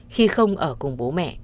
khi không ở cùng bố mẹ